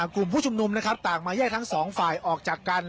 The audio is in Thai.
กลุ่มผู้ชุมนุมนะครับต่างมาแยกทั้งสองฝ่ายออกจากกัน